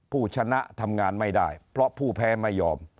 ผู้ชนะทำงานไม่ได้เพราะผู้แพ้ไม่ยอม